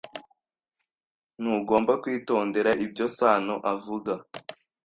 Ntugomba kwitondera ibyo Sano avuga.